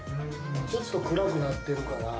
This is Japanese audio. ちょっと暗くなってるから。